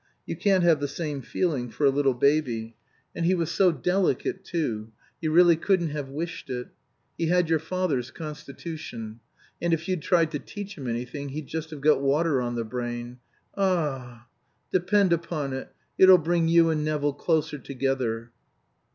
You can't have the same feeling for a little baby. And he was so delicate, too, you really couldn't have wished it. He had your father's constitution. And if you'd tried to teach him anything, he'd just have got water on the brain. Ah h h h! Depend upon it, it'll bring you and Nevill closer together."